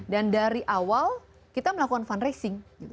dari awal kita melakukan fundraising